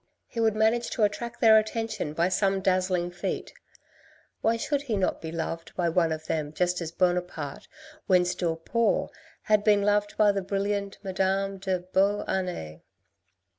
He would manage to attract their attention by some dazzling feat : why should he not be loved by one of them just as Buonaparte, when still poor, had been loved by the brilliant Madame de Beauharnais.